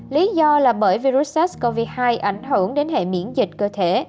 lý do là bởi virus sars cov hai ảnh hưởng đến hệ miễn dịch cơ thể